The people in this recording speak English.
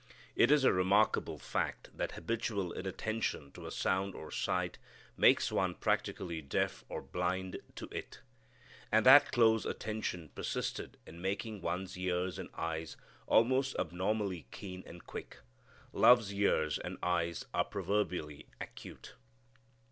It is a remarkable fact that habitual inattention to a sound or sight makes one practically deaf or blind to it; and that close attention persisted in makes one's ears and eyes almost abnormally keen and quick. Love's ears and eyes are proverbially acute.